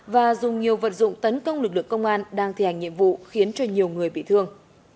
và dùng nhiều vật dụng tấn công lực lượng công an đang thi hành nhiệm vụ khiến cho nhiều người bị thương